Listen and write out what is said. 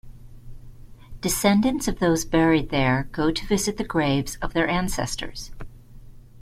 Descendants of those buried there go to visit the graves of their ancestors.